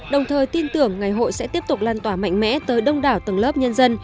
đồng thời tin tưởng ngày hội sẽ tiếp tục lan tỏa mạnh mẽ tới đông đảo tầng lớp nhân dân